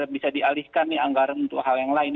bisa dialihkan nih anggaran untuk hal yang lain